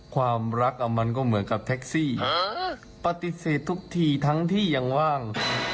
ความรักมันก็เหมือนกับแท็กซี่ปฏิเสธทุกทีทั้งที่ยังว่าง